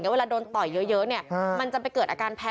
เวลาโดนต่อยเยอะเนี่ยมันจะไปเกิดอาการแพ้